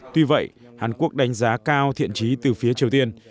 tuy vậy hàn quốc đánh giá cao thiện trí từ phía triều tiên